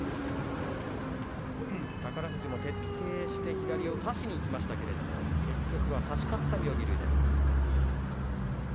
宝富士も徹底して左を差しにいきましたけれども結局は差し勝った妙義龍です。